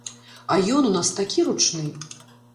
А ён у нас такі ручны!